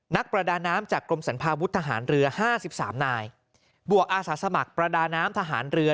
นักประดาน้ำจากกรมสัมภาพบุรุษทหารเรือ๕๓นายบวกอาสาสมักประดาน้ำทหารเรือ